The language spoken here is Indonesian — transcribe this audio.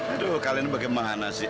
aduh kalian bagaimana sih